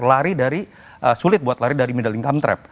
lari dari sulit buat lari dari middlingcome trap